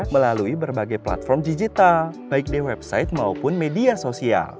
melalui berbagai platform digital baik di website maupun media sosial